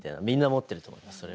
みんな持ってると思います